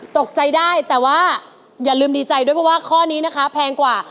ตกใจได้แต่ว่าอย่าลืมดีใจด้วยเพราะว่าข้อนี้นะคะแพงกว่า